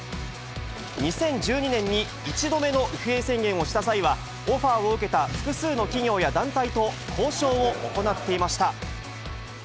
２０１２年に１度目のＦＡ宣言をした際は、オファーを受けた複数の企業や団体と、交渉を行っていました。